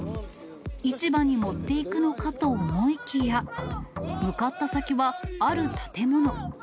市場に持っていくのかと思いきや、向かった先は、ある建物。